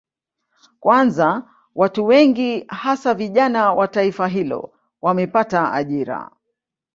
Kwanza watu wengi hasa vijana wa taifa hilo wamepata ajira